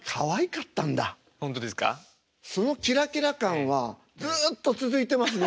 そのキラキラ感はずっと続いてますね。